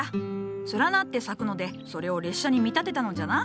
連なって咲くのでそれを列車に見立てたのじゃな。